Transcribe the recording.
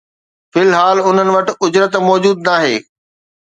في الحال انهن وٽ اجرت موجود ناهي